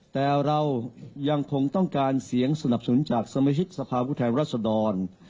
แต่เรายังคงต้องการเสียงสนับสนุนจากสมาชิกสภาพผู้แทนรัศดร